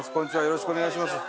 よろしくお願いします。